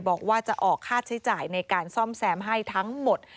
บอกว่าจะออกค่าใช้จ่ายในการซ่อมแซมให้ทั้งหมด